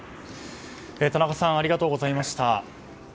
田中さんありがとうございました。